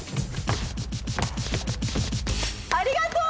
ありがとう！